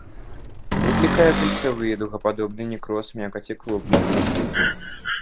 Выклікае кальцавы і дугападобны некроз мякаці клубня.